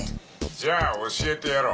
じゃあ教えてやろう。